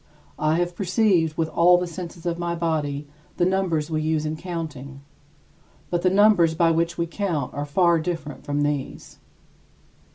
I have perceived with all the senses of my body the numbers we use in counting; but the numbers by which we count are far different from these.